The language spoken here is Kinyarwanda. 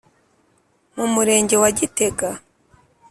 mu Murenge wa Gitega